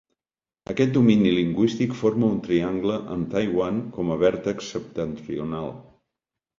Aquest domini lingüístic forma un triangle amb Taiwan com a vèrtex septentrional.